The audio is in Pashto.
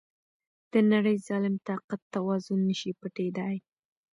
د نړی ظالم طاقت توازن نشي پټیدای.